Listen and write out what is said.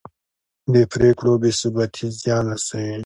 د پرېکړو بې ثباتي زیان رسوي